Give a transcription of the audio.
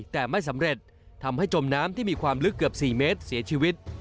แต่ไม่สำเร็จทำให้จมน้ำที่มีความลึกเกือบ๔เมตรเสียชีวิต